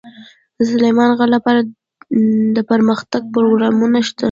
د سلیمان غر لپاره دپرمختیا پروګرامونه شته.